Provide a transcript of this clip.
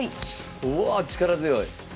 うわあ力強い！